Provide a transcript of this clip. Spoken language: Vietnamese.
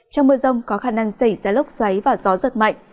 trong mưa rông có khả năng xảy ra lốc xoáy và gió giật mạnh